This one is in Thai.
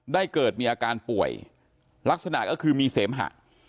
ได้เกิดมีอาการป่วยลักษณะก็คือมีเสมหะ